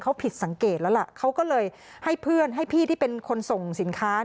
เขาผิดสังเกตแล้วล่ะเขาก็เลยให้เพื่อนให้พี่ที่เป็นคนส่งสินค้า